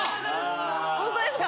ホントですか？